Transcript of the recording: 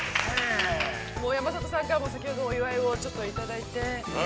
山里さんからも、先ほどお祝いをいただいて。